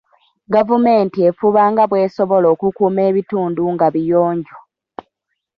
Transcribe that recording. Gavumenti efuba nga bw'esobola okukuuma ebitundu nga biyonjo.